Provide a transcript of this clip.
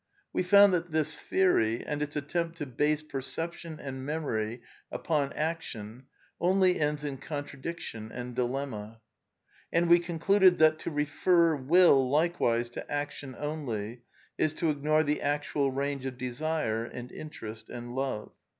We found that this theory, and its attempt to base perception and memory upon action only ends in contradiction and dilemma; and we concluded that to refer will likewise to action only is to ignore the actual range of desire and interest and love.